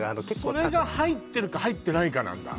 それが入ってるか入ってないかなんだ？